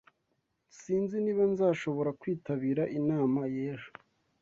Sinzi niba nzashobora kwitabira inama y'ejo